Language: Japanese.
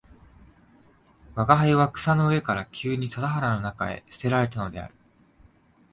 吾輩は藁の上から急に笹原の中へ棄てられたのである